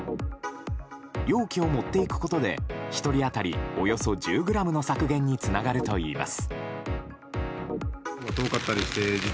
容器を持っていくことで１人当たりおよそ１０ｇの削減につながるといいます。